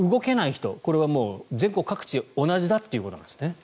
これは全国各地で同じだということなんですね。